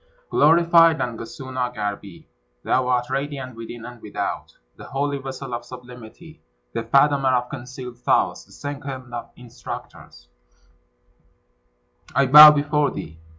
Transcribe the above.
Glorified Nangasuna Garbi! thou art radiant within and without; the holy vessel of sublimity, the fathomer of concealed thoughts, the second of instructors, I bow before thee.